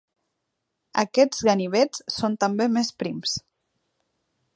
Aquests ganivets són també més prims.